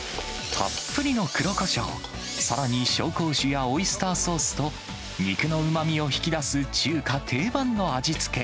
たっぷりの黒こしょう、さらに紹興酒やオイスターソースと、肉のうまみを引き出す中華定番の味付け。